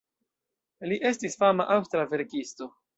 Li estis fama aŭstra verkisto.